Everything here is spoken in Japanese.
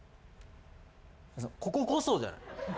こここそじゃない？